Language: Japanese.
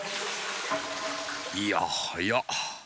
いやはや。